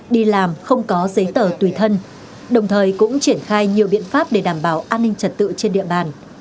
đi làm không có giấy tờ tùy thân đồng thời cũng triển khai nhiều biện pháp để đảm bảo an ninh trật tự trên địa bàn